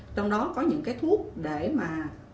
trong đó có những thuốc để mà